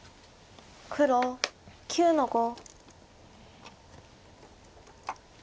黒９の五。